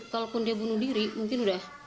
kalaupun dia bunuh diri mungkin udah